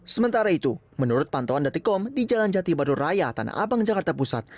sementara itu menurut pantuan dati com di jalan jati badur raya tanah abang jakarta pusat